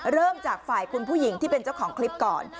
เริ่มจากฝ่ายคุณผู้หญิงที่เป็นเจ้าของคลิปก่อน